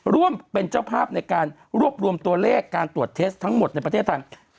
ร่วมเป็นเจ้าภาพในการรวบรวมตัวเลขการตรวจเทสทั้งหมดในประเทศไทย